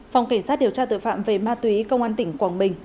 phòng cảnh sát điều tra tội phạm về ma túy công an tỉnh quảng bình